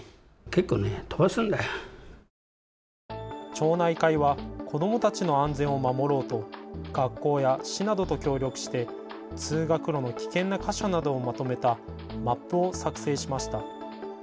町内会は子どもたちの安全を守ろうと学校や市などと協力して通学路の危険な箇所などをまとめたマップを作成しました。